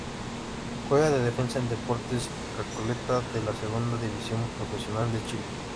Juega de defensa en Deportes Recoleta de la Segunda División Profesional de Chile.